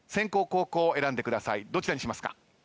どちらにしますか？